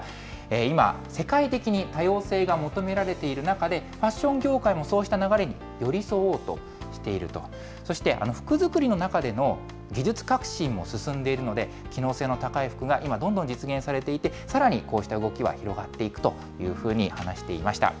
今、世界的に多様性が求められている中で、ファッション業界もそうした流れに寄り添おうとしていると、そして、服作りの中での技術革新も進んでいるので、機能性の高い服が今どんどん実現されていて、さらにこうした動きは広がっていくというふうに話していました。